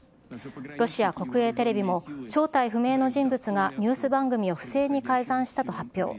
ロシア国営テレビも、正体不明の人物がニュース番組を不正に改ざんしたと発表。